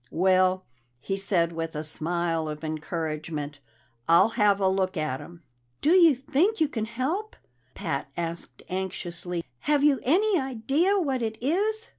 "Well," he said with a smile of encouragement, "I'll have a look at him." "Do you think you can help?" Pat asked anxiously. "Have you any idea what it is?"